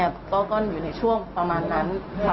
ก็อยู่ในช่วงประมาณนั้นค่ะ